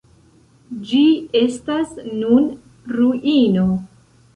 Ĝi estas nun ruino.